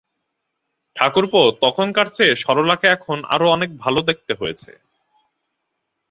ঠাকুরপো, তখনকার চেয়ে সরলাকে এখন আরো অনেক ভালো দেখতে হয়েছে।